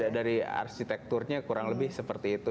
dari arsitekturnya kurang lebih seperti itu